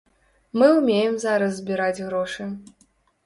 Мы ўмеем зараз збіраць грошы.